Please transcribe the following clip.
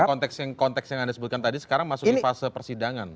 nah konteks yang anda sebutkan tadi sekarang masuk di fase persidangan